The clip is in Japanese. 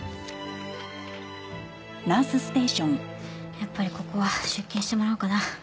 やっぱりここは出勤してもらおうかな。